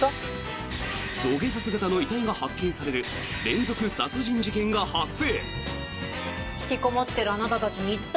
土下座姿の遺体が発見される連続殺人事件が発生。